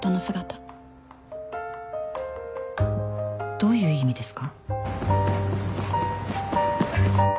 どういう意味ですか？